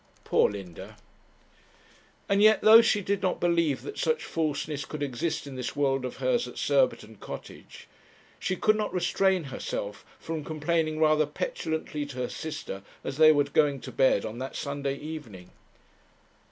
Poor Linda! And yet, though she did not believe that such falseness could exist in this world of hers at Surbiton Cottage, she could not restrain herself from complaining rather petulantly to her sister, as they were going to bed on that Sunday evening.